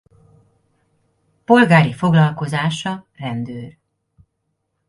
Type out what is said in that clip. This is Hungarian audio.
Polgári foglalkozása rendőr.